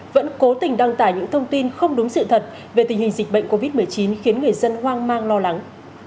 vẫn cố tình đăng tải những thông tin không đúng sự thật về tình hình dịch bệnh covid một mươi chín khiến người dân hoang mang lo lắng